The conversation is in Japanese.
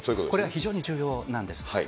これは非常に重要なんです。